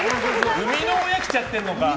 生みの親、来ちゃってるのか。